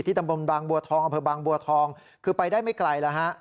ที่ตำรวจบางบัวทองบางบัวทองคือไปได้ไม่ไกลแล้วฮะ